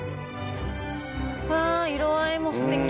わ色合いもすてき。